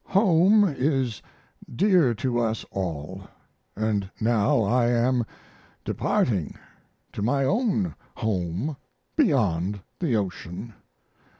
... Home is dear to us all, and now I am departing to my own home beyond the ocean.